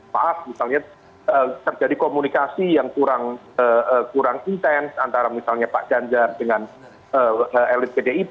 maaf misalnya terjadi komunikasi yang kurang intens antara misalnya pak ganjar dengan elit pdip